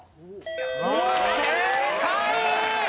正解！